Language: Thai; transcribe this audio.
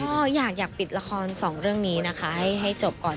ก็อยากปิดละครสองเรื่องนี้นะคะให้จบก่อน